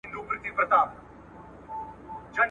ده د پښتو اشعارو ذخيره پراخه کړه